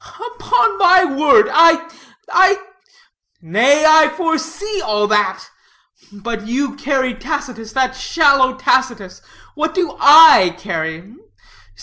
"Upon my word, I I " "Nay, I foresee all that. But you carry Tacitus, that shallow Tacitus. What do I carry?